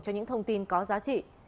cho những thông tin có giá trị